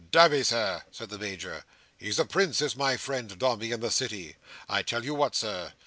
"Damme, Sir," said the Major, "he's a prince, is my friend Dombey in the City. I tell you what, Sir.